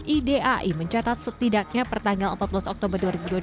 idai mencatat setidaknya pertanggal empat belas oktober dua ribu dua puluh